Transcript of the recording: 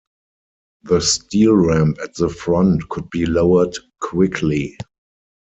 The steel ramp at the front could be lowered quickly.